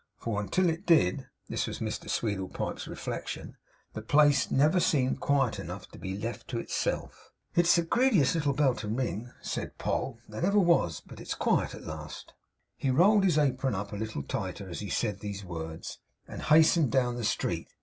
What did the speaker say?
For until it did this was Mr Sweedlepipe's reflection the place never seemed quiet enough to be left to itself. 'It's the greediest little bell to ring,' said Poll, 'that ever was. But it's quiet at last.' He rolled his apron up a little tighter as he said these words, and hastened down the street.